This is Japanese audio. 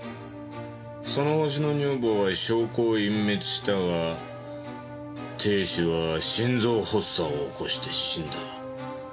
そのホシの女房は証拠を隠滅したが亭主は心臓発作を起こして死んだ。